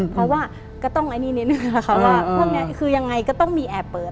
เพราะว่าก็ต้องอันนี้นิดนึงคือยังไงก็ต้องมีแอบเปิด